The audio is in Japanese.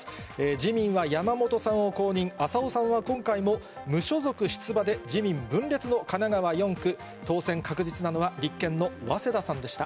自民は山本さんを公認、浅尾さんは今回も無所属出馬で自民分裂の神奈川４区、当選確実なのは、立憲の早稲田さんでした。